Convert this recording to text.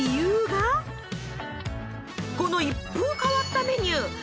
この一風変わったメニュー。